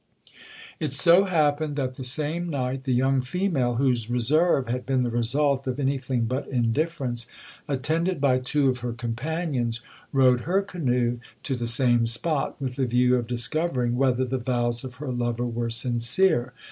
'It so happened, that the same night, the young female, whose reserve had been the result of any thing but indifference, attended by two of her companions, rowed her canoe to the same spot, with the view of discovering whether the vows of her lover were sincere.